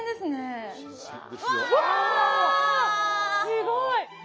すごい。